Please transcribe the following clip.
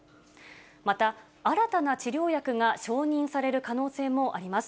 また新たな治療薬が承認される可能性もあります。